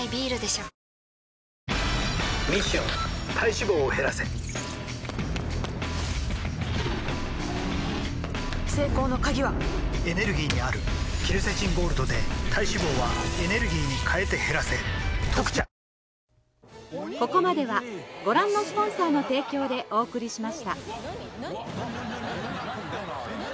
ミッション体脂肪を減らせ成功の鍵はエネルギーにあるケルセチンゴールドで体脂肪はエネルギーに変えて減らせ「特茶」淵Εぅ優しそうなお父さま。